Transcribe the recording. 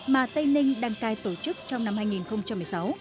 mà tây ninh đăng cai tổ chức trong năm hai nghìn một mươi sáu